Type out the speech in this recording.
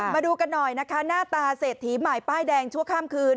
มาดูกันหน่อยนะคะหน้าตาเศรษฐีใหม่ป้ายแดงชั่วข้ามคืน